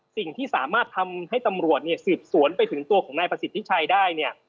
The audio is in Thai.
สิ่งที่สามารถทำให้ตำรวจเนี่ยสืบสวนไปถึงตัวของนายประสิทธิชัยได้เนี่ย